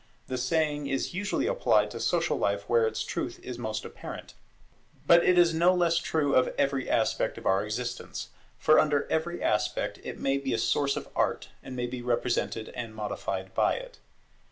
The saying is usually applied to social life where its truth is most apparent. But it is no less true of every aspect of our existence; for under every aspect it may be a source of Art, and may be represented and modified by it.